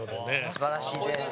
すばらしいです。